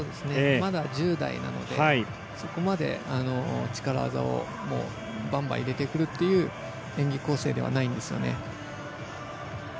まだ、１０代なのでそこまで、力技をバンバン入れてくるっていう演技構成ではないんですよね。